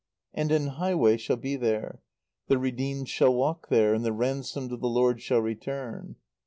"And an highway shall be there ... the redeemed shall walk there, and the ransomed of the Lord shall return"